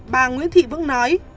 bà nguyễn thị vững nói